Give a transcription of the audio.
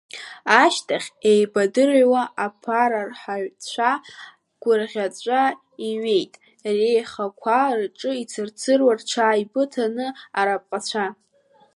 Ашьҭахь еибадыруа, аԥарарҳацәа гәырӷьаҵәа, иҩеит, реихақәа рҿы цырцыруа рҽааибыҭан араԥҟацәа.